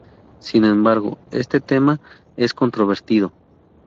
Sin embargo, este tema es controvertido.